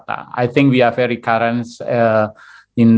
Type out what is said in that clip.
saya pikir kami sangat berada di sini